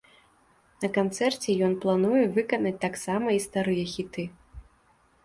На канцэрце ён плануе выканаць таксама і старыя хіты.